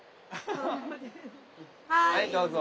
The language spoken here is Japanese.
はいどうぞ。